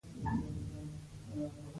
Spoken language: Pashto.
غوږونه د دروغو خلاف غبرګون ښيي